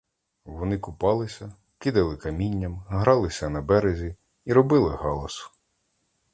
Вони купалися, кидали камінням, гралися на березі і робили галас.